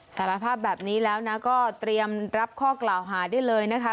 สารภาพแบบนี้แล้วนะก็เตรียมรับข้อกล่าวหาได้เลยนะคะ